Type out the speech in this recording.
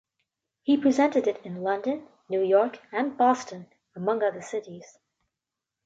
He presented it in London, New York, and Boston, among other cities.